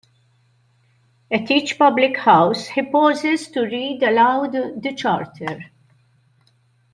At each public house he pauses to read aloud the charter.